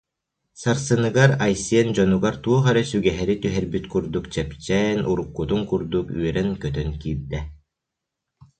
Сарсыныгар Айсен дьонугар туох эрэ сүгэһэри түһэрбит курдук чэпчээн, уруккутун курдук үөрэн-көтөн киирдэ